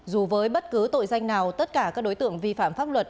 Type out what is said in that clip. dù với bất cứ tội danh nào tất cả các đối tượng vi phạm pháp luật